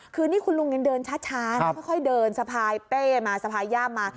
คันนี้คุณลุงเดินช้าค่อยเดินสะพายเป้มาสะพายย่ำมา